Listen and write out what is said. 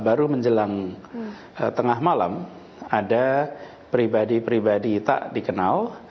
baru menjelang tengah malam ada pribadi pribadi tak dikenal